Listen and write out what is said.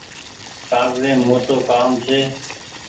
ڪآگز يم موٽو ڪآم ڇي۔